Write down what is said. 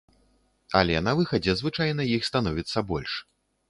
Але на выхадзе звычайна іх становіцца больш.